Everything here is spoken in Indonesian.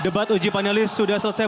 debat uji panelis sudah selesai